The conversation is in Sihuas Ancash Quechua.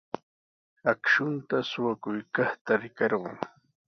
Akshunta suqakuykaqta rikarqun.